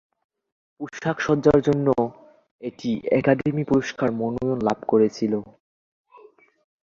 পোশাক সজ্জার জন্য এটি একাডেমি পুরস্কার মনোনয়ন লাভ করেছিল।